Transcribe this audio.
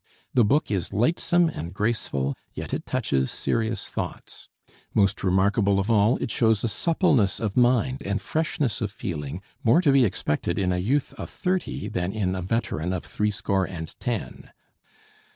The book is lightsome and graceful, yet it touches serious thoughts: most remarkable of all, it shows a suppleness of mind and freshness of feeling more to be expected in a youth of thirty than in a veteran of threescore and ten.